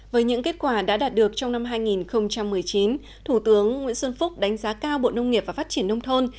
với những kết quả đã đạt được trong năm hai nghìn một mươi chín thủ tướng nguyễn xuân phúc đánh giá cao bộ nông nghiệp và phát triển nông thôn